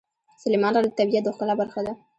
سلیمان غر د طبیعت د ښکلا برخه ده.